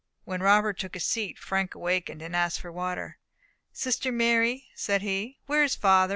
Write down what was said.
When Robert took his seat, Frank awakened, and asked for water. "Sister Mary," said he, "where is father?